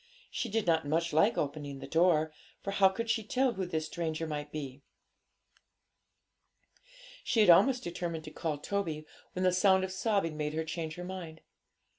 She did not much like opening the door, for how could she tell who this stranger might be? She had almost determined to call Toby, when the sound of sobbing made her change her mind.